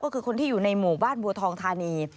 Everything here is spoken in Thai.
ก็คือคนที่อยู่ในหมู่บ้านบัวทองธานี